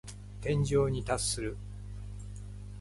天井に達する。